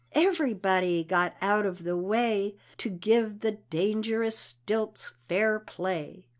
Everybody got out of the way To give the dangerous stilts fair play.